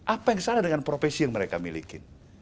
apa yang salah dengan profesi yang mereka miliki